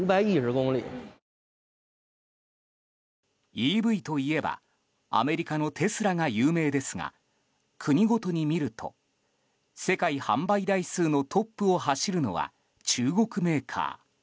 ＥＶといえばアメリカのテスラが有名ですが国ごとに見ると、世界販売台数のトップを走るのは中国メーカー。